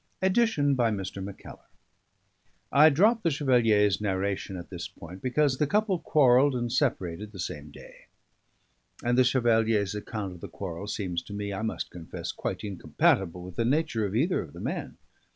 Addition by Mr. Mackellar. I drop the Chevalier's narration at this point because the couple quarrelled and separated the same day; and the Chevalier's account of the quarrel seems to me (I must confess) quite incompatible with the nature of either of the men.